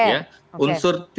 ada demo dan lain sebagainya